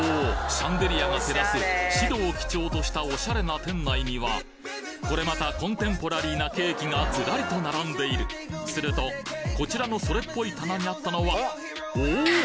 シャンデリアが照らす白を基調としたおしゃれな店内にはこれまたコンテンポラリーなケーキがずらりと並んでいるするとこちらのそれっぽい棚にあったのはおおっ！